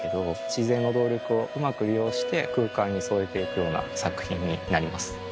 自然の動力をうまく利用して空間に添えて行くような作品になります。